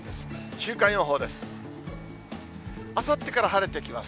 週間予報です。